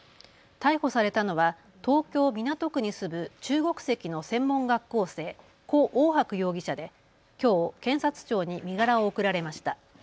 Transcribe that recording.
逮捕されたのは東京港区に住む中国籍の専門学校生、胡奥博容疑者できょう検察庁に身柄を送られました。